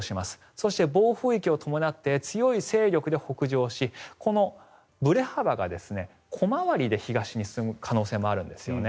そして暴風域を伴って強い勢力で北上しぶれ幅が小回りで東に進む可能性があるんですよね。